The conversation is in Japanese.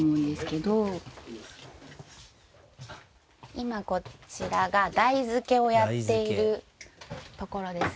今こちらが台付けをやっているところです